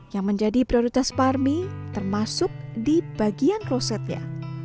yang menjadi prioritas parmi termasuk di bagian krosetnya